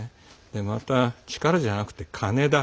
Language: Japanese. また、力じゃなくて金だ。